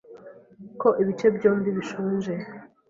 Ko ibice byombi bishonje